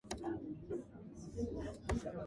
He didn't carry enough weight.